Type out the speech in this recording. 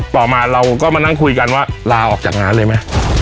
ต่อมาเราก็มานั่งคุยกันว่าลาออกจากงานเลยไหม